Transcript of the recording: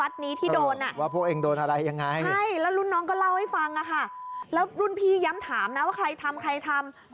ด้วยฟังค่ะแล้วรุ่นพี่ย้ำถามนะว่าใครทำใครทำ